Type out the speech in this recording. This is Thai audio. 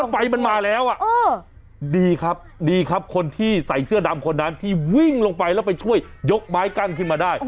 ไฟมันมาแล้วดีครับดีครับคนที่ใส่เสื้อดำคนนั้นที่วิ่งลงไปแล้วไปช่วยยกไม้กั้นขึ้นมาได้